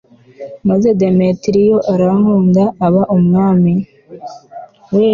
maze demetiriyo arakunda aba umwami